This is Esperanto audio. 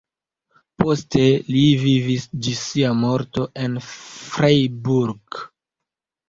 Poste li vivis ĝis sia morto en Freiburg.